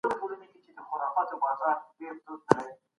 پر مځکي باندي سيوری سو.